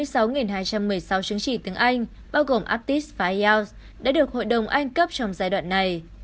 tổng cộng bảy mươi sáu hai trăm một mươi sáu chứng chỉ tiếng anh bao gồm aptis và ielts đã được hội đồng anh cấp trong giai đoạn này